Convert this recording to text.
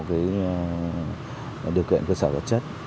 điều kiện cơ sở vật chất